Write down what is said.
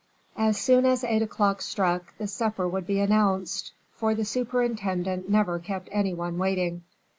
As soon as eight o'clock struck the supper would be announced, for the superintendent never kept any one waiting.